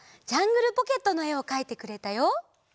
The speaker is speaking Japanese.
「ジャングルポケット」のえをかいてくれたよ。